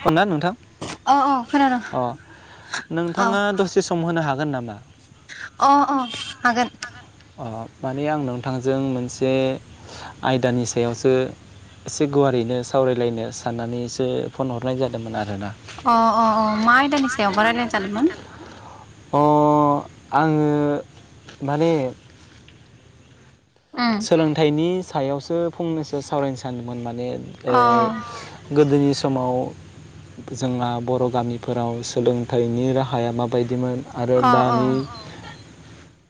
खोनादोंना अ अ खोनादों नोंथां अ अ नोंथाङा दसे सम होनो हागोन नामा? अ अ हागोन अ माने आं नोंथांजों मोनसे आयदानि सायावसो एसे गुवारैनो सावरायलायनो साननानैसो फन हरनाय जादोंमोन आरो अ अ अ मा आयदानिसायाबा रायज्लायनो सानदोंमोन? अह आंङो माने उम सोलोंथाइनि सायावसो फंनैसो सावरायनो सानदोंमोन माने अ ओह गोदोनि समाव जोंना बर' गामिफोराव सोलोंथाइनि राहाया माबायदिमोन आरो अ अ दानि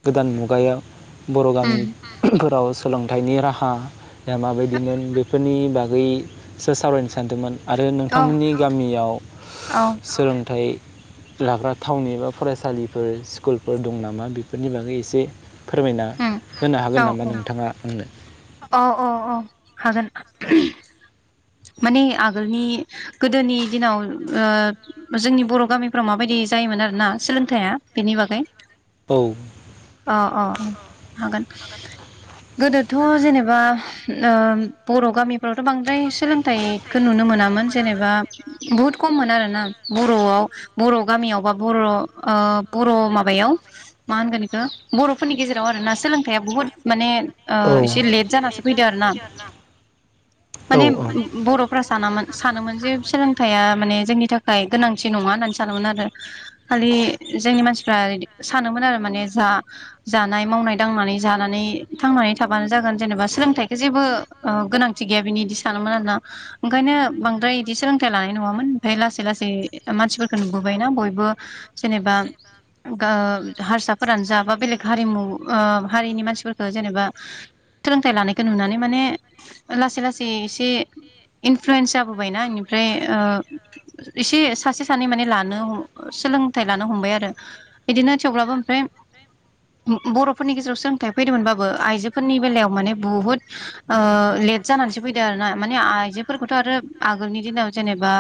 गोदान मुगायाव बर' गामि उम फोराव सोलोंथाइनि राहा या माबायदिमोन बेफोरनि बागै सो सावरायनो सानदोंमोन। आरो औ नोंथांमोननि गामियाव औ सोलोंथाइ लाग्रा थावनि एबा फरायसालिफोर स्कुलफोर दं नामा बेफोरनि बागै एसे फोरमायना उम होनो हागोन नामा? बा नोंथाङा बुंदो अ औ हागोन माने आगोलनि गोदोनि दिनाव ओ जोंनि बर' गामिफ्राव माबायदि जायोमोन आरोना सोलोंथाइया बेनि बागै औ मा अ अ ओम हागोन गोदोथ' जेनेबा ओ बर' गामिफ्रावथ' बांद्राय सोलोंथाइखौ नुनो मोना मोन जेनेबा बहुत खममोन आरोना बरआव बर गामियाव बा बर ओ बर माबायाव मा होनगोन बेखौ बरफोरनि गेजेराव आरोना सोलोंथाइया बुहुद माने ओ औ एसे लेट जानासो फैदो आर ना माने बरफ्रा सानामोन सानोमोन जे सोलोंथाया माने जोंनि थाखाय गोनांथि नङा होननानै सानोमोन आरो खालि जोंनि मानसिफ्रा सानोमोन आरो माने जा-जानाय, मावनाय-दांनानै, जानानै थांनानै थाबानो जागोन जेनेबा सोलोंथाइखौ जेबो ओ गोनांथि गैया बिनि सानोमोन आरोना ओंखायनो बांद्राय इदि सोलोंथाइ लानाय नुवामोन ओमफ्राय लासै लासै मानसिफोरखौ नुबोबायना बयबो जेनेबा आ हारसाफोरानो जा बा बेलेग हारिमु हारिनि मानसिफोरखौ जेनेबा सोलोंथाइ लानायखौ नुनानै माने लासै लासै से इनफ्लुयेन्स जाबोबायना इनिफ्राय ओ एसे सासे सानै माने लानो सोलोंथाइ लानो हमबाय आरो बिदिनो थेवब्लाबो ओमफ्राय बरफोरनि गेजेराव सोलोंथाइ फैदोंमोनबाबो आइजोफोरनि बेलायाव माने बहुत लेट जानानैसो फैदों ना माने आइजोफोरखौथ आरो आगोलनि दिनाव जेनेबा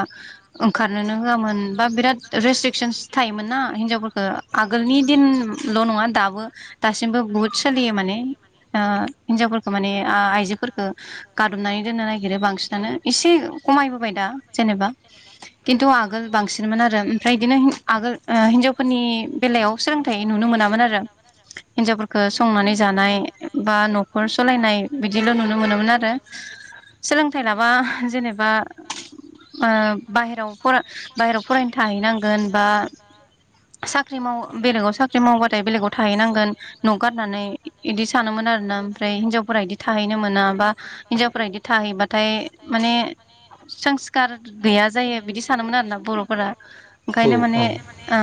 ओंखारनोनो होआमोन बा बिराद रेस्ट्रिकसनस थायोमोन ना हिनजावफोरखौ आगोलनि दिनल नङा दाबो दासिमबो बुहुत सोलियो माने ओ हिनजावफोरखौ माने आ आइजोफोरखौ गादबनानै दोननो नागिरो बांसिनानो इसे खमायबोबाय दा जेनेबा खिन्थु आगोल बांसिनमोन आरो ओमफ्राय बिदिनो आगोल ओ हिनजावफोरनि बेलायाव सोलोंथाइ नुनो मोनामोन आरो हिनजावफोरखौ संनानै जानाय बा नखर सालायनाय बिदिल नुनो मोनोमोन आरो। सोलोंथाइ लाबा जेनेबा ओ बाहेरायाव फर बाहेरायाव फरायनो थाहैनांगोन बा साख्रि माव बेलेगाव साख्रि मावबाथाय बेलेगाव थाहैनांगोन न गारनानै इदि सानोमोन आरोना ओमफ्राय हिनजावफोरा इदि थाहैनो मोना बा हिनजावफोरा बिदि थाहैबाथाय माने संस्कार गैया जायो बिदि सानोमोन आरोना बरफोरा। ओंखायनो माने ओ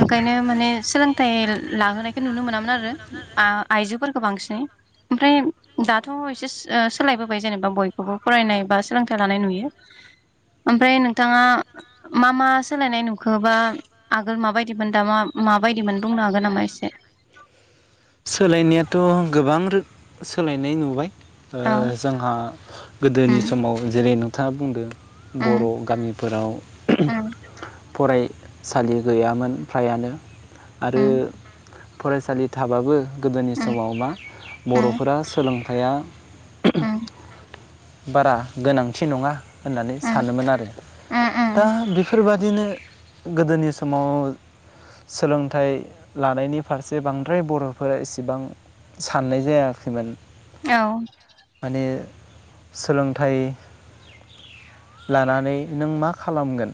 ओंखायनो माने सोलोंथाइ लाहोनायखौ नुनो मोनामोन आरो आ आइजोफोरखौ बांसिनै ओमफ्राय दाथ एसे ओ सोलायबोबाय जेनेबा बयखौबो फरायनाय बा सोलोंथाइ लानाय नुयो ओमफ्राय नोंथाङा मा मा सोलायनाय नुखोबा आगोल माबायदिमोन दा माबायदिमोन बुंनो हागोन नामा एसे? सोलायनायाथ गोबां रो सोलायनाय नुबाय ओ औ जोंहा गोदोनि उम समाव जेरै न था बुंदों उम बर गामिफोराव उम फरायसालि गैयामोन फ्रायानो आरो उम फरायसालि थाबाबो गोदोनि उम समाव मा उम बरफोरा सोलोंथाइ हाया उम बारा गोनांथि नङा होननानै उम सानोमोन आरो उम दा उम बेफोरबाय बिदिनो गोदोनि समाव सोलोंथाइ लानायनि फारसे बांद्राय बर फोर एसेबां साननाय जायाखैमोन। औ माने सोलोंथाइ लानानै नों मा खालामगोन?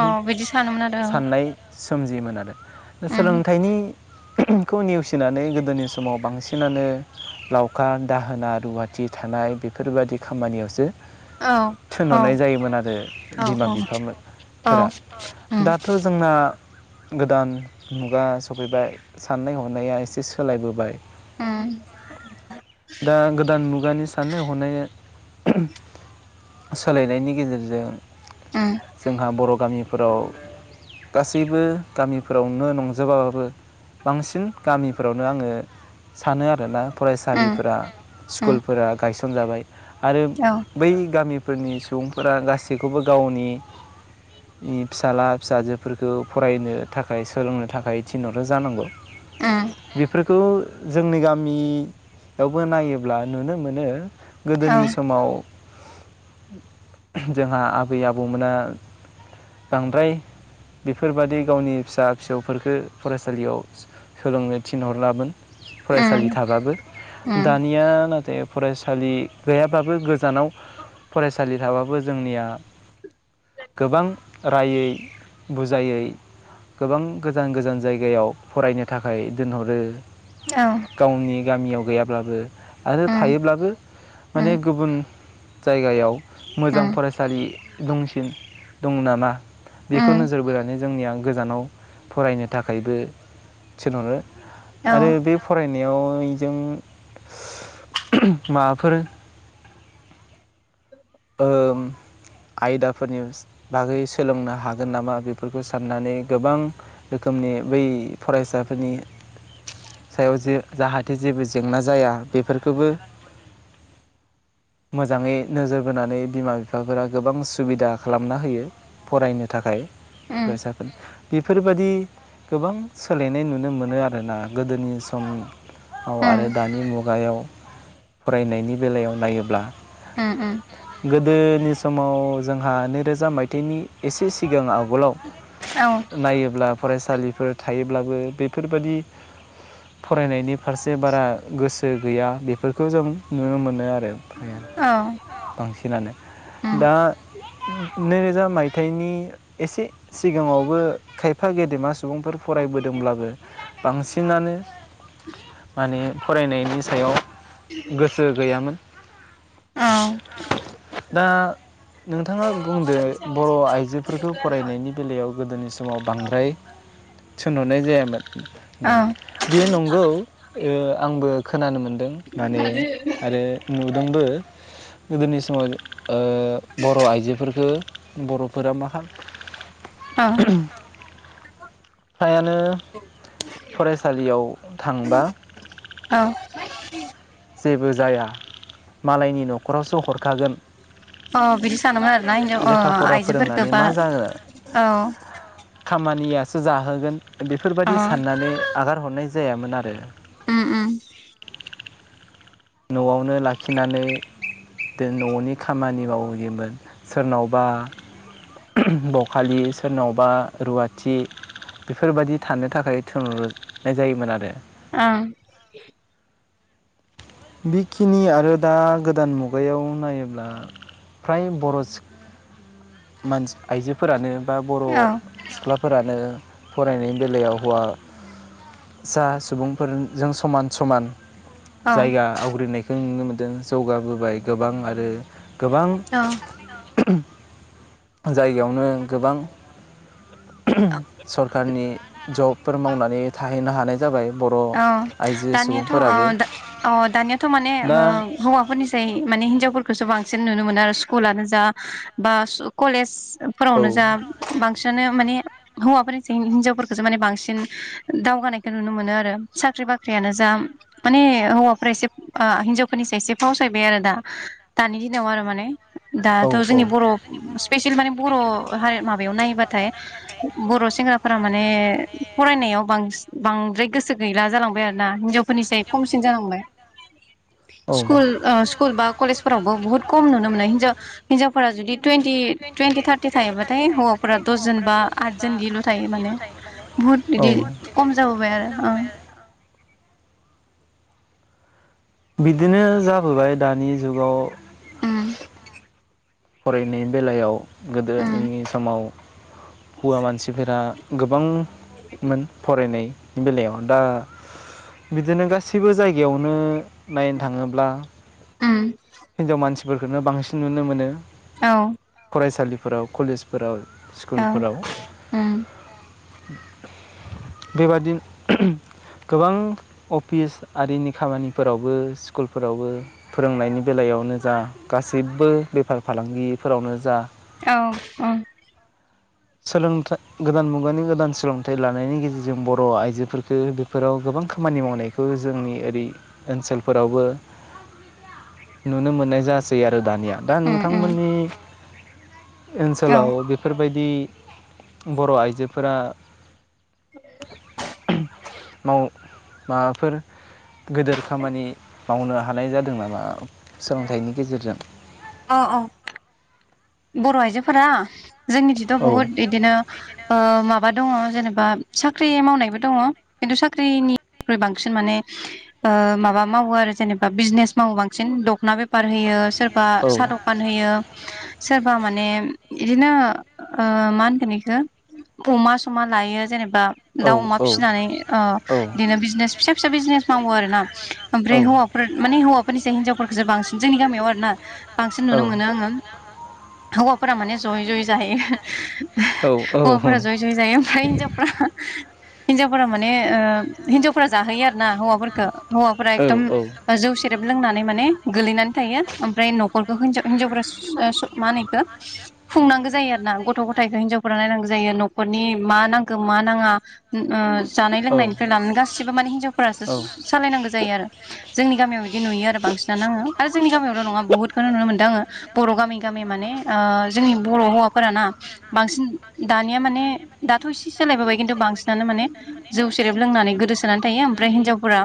औ बिदि सानोमोन आरो साननाय औ। सोमजियोमोन आरो उम सोलोंथाइनि खौ नेवसि नानै गोदोनि समाव बांसिनानो लावखार दाहोना रुवाथि थानाय बेफोरबायदि खामानियावसो औ औ थिनहरनाय जायोमोन आरो औ बिमा औ बिफा मो औ फोरा उम दाथ जोंना गोदान मुगा सफैबाय साननाय हनाया एस एसे सोलायबोबाय उम दा गोदान मुगानि साननाय हनाय सोलायनायनि गेजेरजों अ जोंहा बर' गामि फोराव गासैबो गामिफोरावनो नंजोबाबाबो बांसिन गामि फोरावनो आङो सानो आरोना फरायसालिफोरा स्कुलफोरा गायस सं जाबाय। आरो बै गामि फोरनि सुबुंफोरा गासैखौबो गावनि फिसाला फिसाजोफोरखौ फरायनो थाखाय सोलोंनो थाखाय थिनहरो जानांगौ। बेफोरखौ जोंनि गामियावबो नायोब्ला नुनो मोनो गोदोनि समाव जोंहा आबै आबौमोना बांद्राय बेफोरबादि गावनि फिसा फिसौफोरखो फरायसालियाव सोलोंनो थिनहरलामोन फरायसालि थाबाबो दानिया नाथाय फरायसालि गैयाबाबो गोजानाव फरायसालि थाबाबो जोंनिया गोबां रायै बुजायै गोबां गोजान गोजान जायगायाव फरायनो थाखाय दोनहरो गावनि गामियाव गैयाब्लाबो आरो थायोब्लाबो माने गुबुन जायगायाव मोजां फरायसालि दंसिन दं नामा बेखौ नोजोर बोनानै जोंनिया गोजानाव फरायनो थाखायबो थिनहरो आरो बे फराय नायाव इजों [unintelligible] माबाफोर ओ आयदाफोरनि स बागै सोलोंनो हागोन नामा बेफोरखौ साननानै गोबां रोखोमनि बै फरायसाफोरनि सायाव जे जाहाथे जेबो जेंना जाया बेफोरखोबो मोजाङै नोजोर बोनानै बिमा बिफाफोरा गोबां सुबिदा खालामना होयो फरायनो थाखाय [unintelligible] बेफोरबादि गोबां सोलायनाय नुनो मोनो आरोना गोदोनि समनि ओ आरो दानि मुगायाव फरायनायनि बेलायाव नायो ब्ला ओम ओम गोदोनि समाव जोंहा नैरोजा मायथाइनि एसे सिगाङाव [unintelligible] नायोब्ला फरायसालिफोर थायोब्लाबो बेफोरबादि फरायनायनि फारसे बारा गोसो गैया बेफोरखौ जों नुनो मोनो आरो। थाया बांसिनानो दा। नैरोजा मायथाइनि एसे सिगाङावबो खायफा गेदेमा सु सुबुंफोर फरायबोदोंब्लाबो बांसिनानो माने फरायनायनि सायाव गोसो गैयामोन। दा नोंथाङा बुंदो बर' आइजोफोरखौ फरायनायनि बेलायाव गोदोनि समाव बांद्राय थिनहरनाय जायामोन। होननानै बियो नंगौ ओ आंबो। खोनानो मोन दों माने आरो नुदोंबो गोदोनि समाव। ओ बर' आइजोफोरखो बर'फोरा मा खा [unintelligible] फ्रायानो फरायसालियाव थांबा [inaudible] जेबो जाया मालायनि नख'रावसो हरखागोन। अ बिदि सानोमोन आरोना हिनजाव अ लेखा फरा फोरोंनानै आइजोफोरखौबा मा जानो औ। सोर जाहोगोन अ बेफोरबायदि साननानै आगार हरनाय जायामोन आरो। उम। न'आवनो लाखिनानै दो न'नि खामानि मावहोयोमोन। सोरनावबा बखालि सोरनावबा रुवाथि बेफोरबायदि थानो थाखाय थुनहरनाय जायोमोन आरो। ओं। बेखिनि आरो दा गोदान मुगायाव नायोब्ला फ्राय बर' सि मानसि आइजोफोरानो बा बर' ओं सिख्लाफोरानो फरायनायनि बेलायाव हौवासा सुबुंफोरजों समान समान औ जायगा आवग्रिनाय जों नुनो मोन्दों जौगाबोबाय गोबां आरो गोबां औ जायगायावनो गोबां। औ सरकारनि जब। फोर मावनानै थाहैनो हानाय जाबाय। बर' ओ आइजो दानियाथ ओ सुबुंफोराबो दा ओ दानियाथ माने ओ दा हौवाफोरनिसो [unintelligible] माने हिनजावफोरखौसो बांसिन नुनो मोनो आरो स्कुलानो जा बा कलेज फोरावनो जा बांसिनानो माने हौवाफोरसाय हिनजावफोरखौसो माने बांसिन दावगानायखौ नुनो मोनो आरो साख्रि बाख्रियानो जा माने हौवाफोरा एसे हिनजावफोरनिसाय एसे फावसायबाय आरो दा दानि दिनाव आरो माने दाथ जोंनि बर' स्पेसियेल माने बर' हारि माबायाव नायोबा। नाथाय बर' सेंग्राफोरा माने फरायनायाव बांद्राय गोसो। गैला जालांबाय आरो ना हिनजाव फोरनिसाय खमसिन जानांबाय स्कुल स्कुल बा कलेजफोरावबो बुहुत खम नुनो मोनो हिजाव हिन्जावफोरा जुदि टुवेन्टि टुवेन्टि थारटि थायोबाथाय हौवाफोरा दसजन बा आदजन इदिल थायो माने बुहुत बिदि बहुद खम जाबोबाय आरो ओ। बिदिनो जाबोबाय दानि जुगाव। उम फरायनाय बेलायाव। गोदोनि उम समाव हौवा मानसिफोरा गोबांमोन फरायनाय बेलायाव दा बिदिनो गासैबो जायगायावनो। नायनो थाङोब्ला। उम। फोरखोनो बांसिन नुनो मोनो। औ। फरायसालिफोराव कलेजफोराव। औ। स्कुलफोराव बेबादि गोबां अफिस आरिनि खामानिफोरावबो स्कुलफोरावबो फोरोंनायनि बेलायावनो जा गासैबो बेफार फालांगिफोरावनो जा। औ औ। सोलोंथा गोदान मुगानि गोदान सोलोंथाइ लानायनि गेजेरजों बर' आइजोरखौ बेफोराव गोबां खामानि मावनायखौ जोंनि ओरै ओनसोलफोरावबो नुनो मोननाय जासै आ दानिया दा उम उम नोंथांमोननि। औ ओनसोलाव बेफोरबाय दि। बर' आइजोफोरा [unintelligible] माव माबाफोर गोदोर खामानि मावनो हानाय जादों नामा सोलोंथाइनि गेजेरजों। अ अ। बर' आइजोफोरा‌। जोंनि थिथ बुहुत इदिनो ओ माबा दङ जेबा साख्रि मावनायबो दङ खिन्थु साख्रिनिख्रुइ बांसिन माने ओ माबा मावो आरो जेनेबा बिजनेस मावो बांसिन दखना बेफार होयो सोर बा सा दखान होयो। माने इदिनो ओ मा होनगोन इखो अमा समा लायो जेनेबा बा दाउ अमा फिनानै ओ बिदिनो बिजनेस फिसा फिसा बिजनेस मावो आरोना ओमफ्राय हौवाफोर माने हौवाफोरनिसाय हिनजावफोर जो बांसिन जोंनि गामियाव आरोना। बांसिन नुनो मोनो आङो। हौवाफोरा माने जयै जयै जाहोयो। मोनो आङो औ गायनाय जायो हौवाफोरा ओमफ्राय जयै जयै जायो ओमफ्राय हिनजावफ्रा हिन्जावफोरा माने ओ हिन्जावफोरा जाहोयो आरो ना हौवाफोरखो हौवाफोरा एकदम ओ‌ जौसे रेब लोंनानै माने गोलैनानै थायो ओमफ्राय न'खरखो होनजाव हिनजावफ्रा सो ओ स मा होनो इखो खुंनांगो जायो आरो ना गथ' गथाइखो हिनजावफोरा नायनांगो जायो नखरनि मा नांगो मा नाङा। ओ औ जानाय लोंनायनिफ्राय लानानै गासिबो माने हिनजावफोरासो सालायनांगो जायो आरो। जोंनि गामियाव बिदि नुयो आरो बांसिनानो आङो आरो जोंनि गामियावल नङा बहुथखोनो नुनो मोनदों आङो बर' गामि माने ओ जोंनि‌ बर' हौवाफोराना बांसिन दानिया माने दाथ इसे सोलायबोबाय खिन्थु बांसिनानो माने जौ सेरेब लोंनानै गोदोसोनानै थायो ओमफ्राय हिनजावफोरा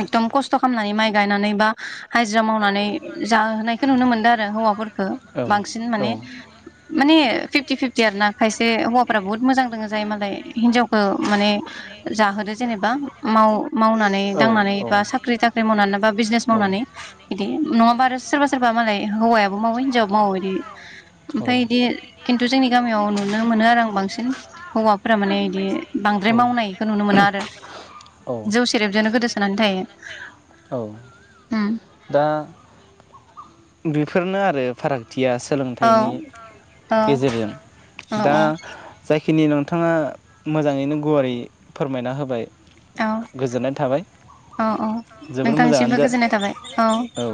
एकदम खस्थ खस्थ खामनाय माइ गायनानै बा हाजि जिरा मावनानै जाहोनायखो नुनो मोनदों आरो हौवा बांसिन माने माने फिफ्टी फिफ्टी आरोना खायसे हौवफ्रा बुहोत मोजां दोङो जायो मालाय हिनजावखो माने जाहोदो जेनेबा माव मावनानै दांनानै बा साख्रि थाख्रि मावनानै बा बिजनेस मावनानै बिदि नङाबा सोरबा सोरबा मालाय हौवायाबो मावो हिनजावआबो मावो बिदि। ओमफाय बिदि खिन्थु जोंनि गामियाव नुनो मोनो आरो आं बांसिन। हौवाफोरा माने इदि बांद्राय मावनायखो नुनो मोना आरो औ जौ सेरेबजोंनो गोदोसोनानै थायो औ औ ओम। दा बेफोरनो आरो फाराग थिया औ सोलोंथाइनि औ गेजेरजों औ दा जाय दिनि नोंथाङा मोजाङै नो गुवारै फोरमायना होबाय। औ गोजोननाय थाबाय औ औ जोबोर मोजाङानो नोंथांनिसिमबो जा गोजोननाय थाबाय औ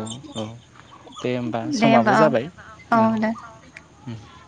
औ दे होमबा दे समाबो होमबा औ जाबाय ओम औ दे ओम।